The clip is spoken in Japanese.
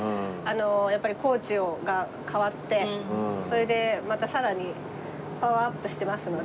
やっぱりコーチが代わってそれでまたさらにパワーアップしてますので。